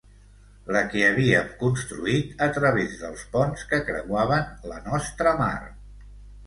La que havíem construït a través dels ponts que creuaven la nostra mar.